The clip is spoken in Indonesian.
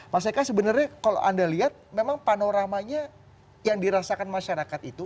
mas eka sebenarnya kalau anda lihat memang panoramanya yang dirasakan masyarakat itu